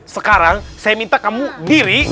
sekarang saya minta kamu diri